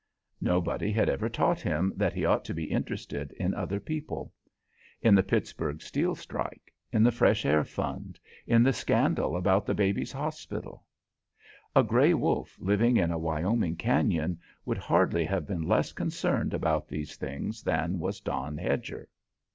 Nobody had ever taught him that he ought to be interested in other people; in the Pittsburgh steel strike, in the Fresh Air Fund, in the scandal about the Babies' Hospital. A grey wolf, living in a Wyoming canyon, would hardly have been less concerned about these things than was Don Hedger.